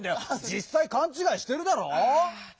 じっさいかんちがいしてるだろう！